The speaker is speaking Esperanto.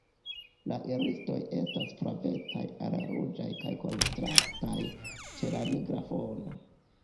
La irisoj estas flavecaj al ruĝaj kaj kontrastaj ĉe la nigra fono.